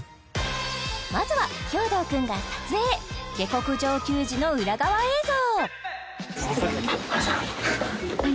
まずは兵頭君が撮影「下剋上球児」の裏側映像何？